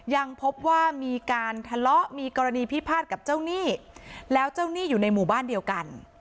ยังพบว่ามีการทะเลาะมีกรณีพิพาทกับเจ้าหนี้แล้วเจ้าหนี้อยู่ในหมู่บ้านเดียวกัน